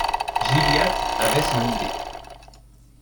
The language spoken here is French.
Gilliatt avait son idée.